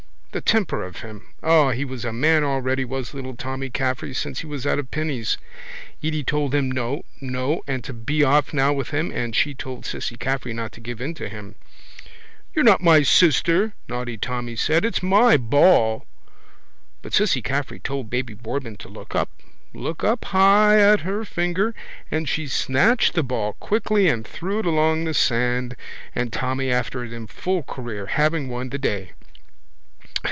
The temper of him! O, he was a man already was little Tommy Caffrey since he was out of pinnies. Edy told him no, no and to be off now with him and she told Cissy Caffrey not to give in to him. —You're not my sister, naughty Tommy said. It's my ball. But Cissy Caffrey told baby Boardman to look up, look up high at her finger and she snatched the ball quickly and threw it along the sand and Tommy after it in full career, having won the day.